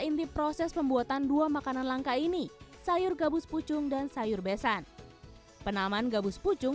inti proses pembuatan dua makanan langka ini sayur gabus pucung dan sayur besan penaman gabus pucung